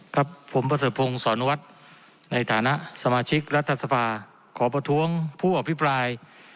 ครับผมประสบงศ์สอนวัดในฐานะสมาชิกรัฐศพาขอประท้วงผู้อภิปราย